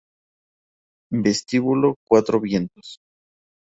Vestíbulo Cuatro Vientos